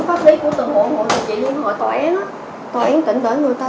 còn bây giờ thì không có gì mà